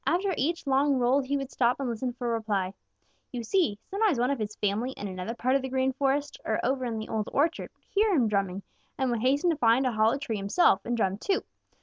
After each long roll he would stop and listen for a reply. You see, sometimes one of his family in another part of the Green Forest, or over in the Old Orchard, would hear him drumming and would hasten to find a hollow tree himself and drum too.